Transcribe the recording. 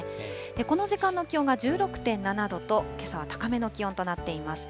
この時間の気温が１６．７度と、けさは高めの気温となっています。